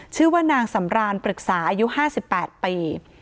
ชื่อว่านางสำรานปรึกษาอายุ๕๘ปี